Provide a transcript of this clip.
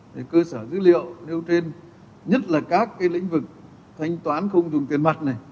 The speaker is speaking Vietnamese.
về cơ sở dữ liệu nêu trên nhất là các cái lĩnh vực thanh toán không dùng tiền mặt này